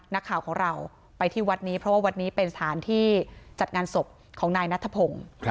นักข่าวของเราไปที่วัดนี้เพราะว่าวัดนี้เป็นสถานที่จัดงานศพของนายนัทพงศ์